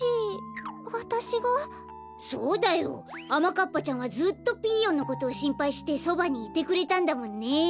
かっぱちゃんはずっとピーヨンのことをしんぱいしてそばにいてくれたんだもんね。